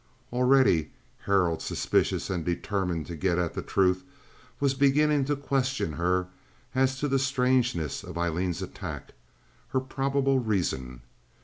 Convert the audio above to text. Already Harold, suspicious and determined to get at the truth, was beginning to question her as to the strangeness of Aileen's attack—her probable reason.